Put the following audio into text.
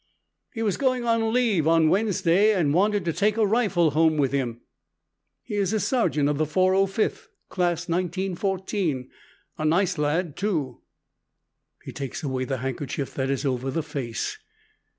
He was going on leave on Wednesday and wanted to take a rifle home with him. He is a sergeant of the 405th, Class 1914. A nice lad, too." He takes away the handkerchief that is over the face.